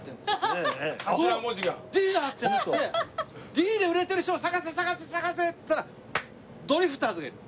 「Ｄ」で売れてる人を探せ探せ探せっていったらドリフターズがいる。